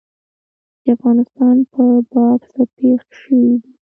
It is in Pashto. د افغانستان په باب څه پېښ شوي دي.